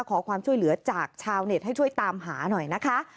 ขอความช่วยเหลือจากชาวเน็ตให้ช่วยตามหาหน่อยนะคะ